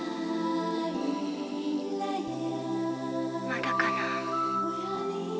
まだかな。